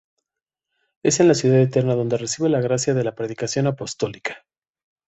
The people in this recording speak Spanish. Es en la Ciudad Eterna donde recibe la gracia de la predicación apostólica.